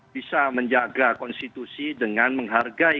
bisa menjaga konstitusi dengan menghargai